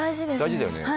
大事だよね。